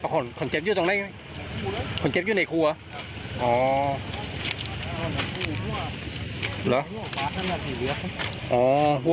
ขนเจ็บอยู่ตรงไหนนะขนเจ็บอยู่ในคู่หรออ๋อ